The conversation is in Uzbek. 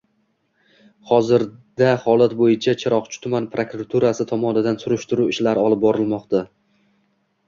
Hozirda holat bo‘yicha Chiroqchi tuman prokuraturasi tomonidan surishtiruv ishlari olib borilmoqda